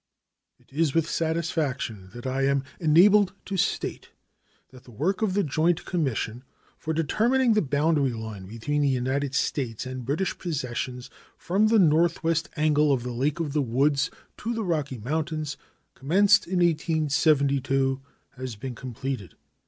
It is with satisfaction that I am enabled to state that the work of the joint commission for determining the boundary line between the United States and British possessions from the northwest angle of the Lake of the Woods to the Rocky Mountains, commenced in 1872, has been completed.